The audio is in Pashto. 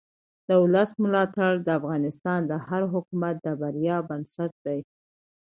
د ولس ملاتړ د افغانستان د هر حکومت د بریا بنسټ دی